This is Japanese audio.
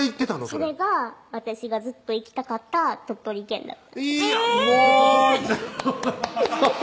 それそれが私がずっと行きたかった鳥取県だったいや！